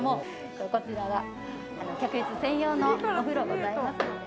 こちらが客室専用のお風呂ございますので。